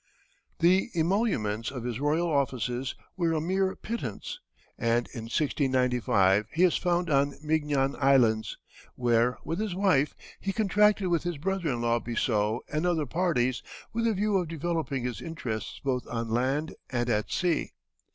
The emoluments of his royal offices were a mere pittance, and in 1695 he is found on Mignan Islands, where, with his wife, he contracted with his brother in law Bissot and other parties with a view of developing his interests both on land and at sea.